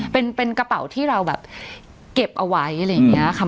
เป็นกระเป๋าที่เราแบบเก็บเอาไว้อะไรอย่างนี้ค่ะ